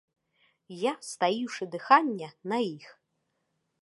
Я, стаіўшы дыханне, на іх.